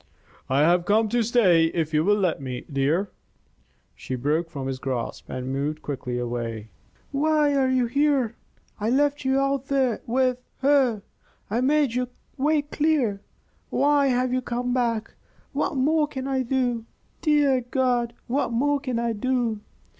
"I have come to stay if you will let me, dear." She broke from his grasp and moved quickly away. "Why are you here? I left you out there with her. I made your way clear. Why have you come back? What more can I do? Dear God! What more can I do?"